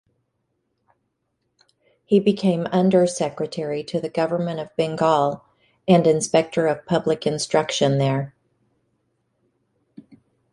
He became under-secretary to the government of Bengal, and inspector of public instruction there.